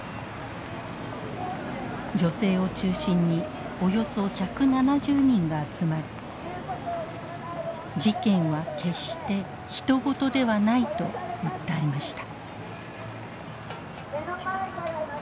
女性を中心におよそ１７０人が集まり「事件は決してひと事ではない」と訴えました。